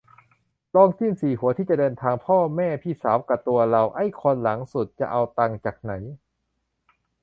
ลองจิ้มสี่หัวที่จะเดินทาง พ่อ แม่ พี่สาว กะตัวเรา ไอ้คนหลังสุดจะเอาตังค์จากไหน